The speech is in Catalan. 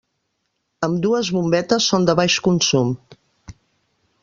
Ambdues bombetes són de baix consum.